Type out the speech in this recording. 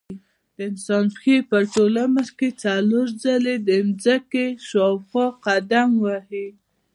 د انسان پښې په ټول عمر کې څلور ځلې د ځمکې شاوخوا قدم وهي.